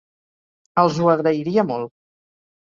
Els ho agrairia molt.